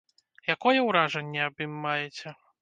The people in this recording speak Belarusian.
Якое ўражанне аб ім маеце?